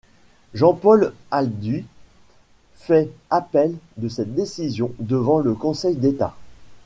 Jean-Paul Alduy fait appel de cette décision devant le Conseil d'État.